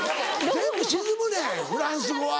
全部沈むねんフランス語は。